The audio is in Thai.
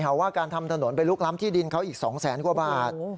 ว่าการทำถนนไปลุกล้ำที่ดินเขาอีก๒แสนกว่าบาท